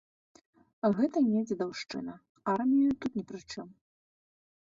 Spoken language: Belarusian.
Гэта не дзедаўшчына, армія тут ні пры чым.